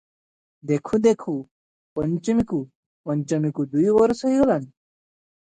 ଦେଖୁଁ ଦେଖୁଁ ପଞ୍ଚମୀକୁ ପଞ୍ଚମୀକୁ ଦୁଇ ବରଷ ହୋଇଗଲାଣି ।